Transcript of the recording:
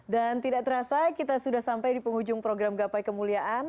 dan tidak terasa kita sudah sampai di penghujung program gapai kemuliaan